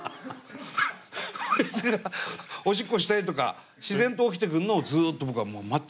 こいつがオシッコしたいとか自然と起きてくるのをずっと僕はもう待ってましたね。